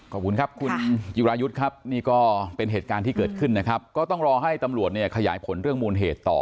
ขอบคุณครับคุณจิรายุทธ์ครับนี่ก็เป็นเหตุการณ์ที่เกิดขึ้นนะครับก็ต้องรอให้ตำรวจเนี่ยขยายผลเรื่องมูลเหตุต่อ